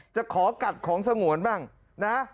จะขอกัดของสงวนบ้างนะ